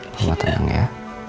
mama tenang ya